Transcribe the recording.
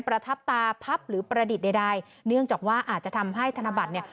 ประทับตาพับหรือประดิษฐ์ใดเนื่องจากว่าอาจจะทำให้ธนบัตรเนี่ย